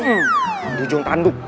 hmm di ujung tanduk